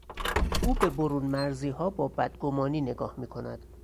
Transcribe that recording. او به برونمرزیها با بد گمانی نگاه میکند.